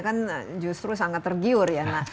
kan justru sangat tergiur ya